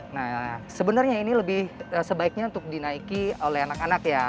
nah sebenarnya ini lebih sebaiknya untuk dinaiki oleh anak anak ya